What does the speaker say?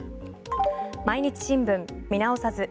毎日新聞、見直さず。